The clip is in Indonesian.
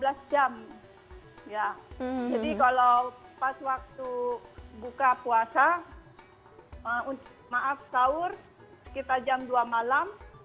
ya jadi kalau pas waktu buka puasa maaf sahur sekitar jam dua malam